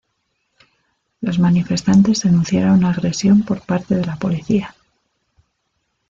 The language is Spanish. Los manifestantes denunciaron agresión por parte de la policía.